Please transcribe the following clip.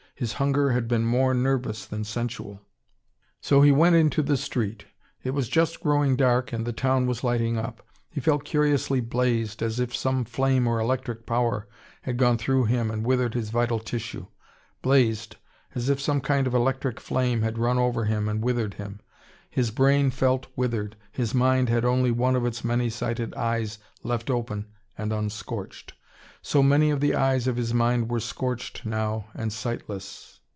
His hunger had been more nervous than sensual. So he went into the street. It was just growing dark and the town was lighting up. He felt curiously blazed, as if some flame or electric power had gone through him and withered his vital tissue. Blazed, as if some kind of electric flame had run over him and withered him. His brain felt withered, his mind had only one of its many sighted eyes left open and unscorched. So many of the eyes of his mind were scorched now and sightless.